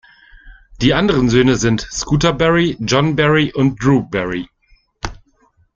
Die anderen Söhne sind Scooter Barry, Jon Barry und Drew Barry.